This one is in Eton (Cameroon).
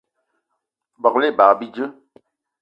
Begela ebag bíjé